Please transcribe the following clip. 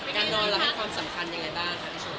การนอนเราให้ความสำคัญยังไงบ้างคะพี่ชุม